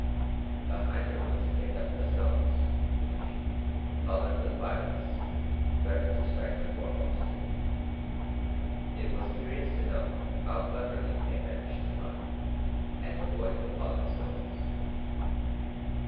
The hinder ones kicked up the stones, which, falling with violence, threatened to strike the foremost. It was curious to note how cleverly they managed to run, and avoid the falling stones."